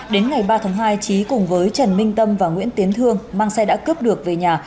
đến ngày ba tháng hai trí cùng với trần minh tâm và nguyễn tiến thương mang xe đã cướp được về nhà